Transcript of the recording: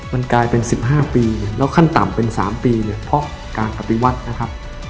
มันกลายเป็น๑๕ปีแล้วขั้นต่ำเป็น๓ปีเนี่ยเพราะการปฏิวัตินะครับ